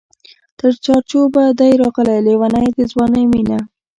تر چار چوبه دی راغلې لېونۍ د ځوانۍ مینه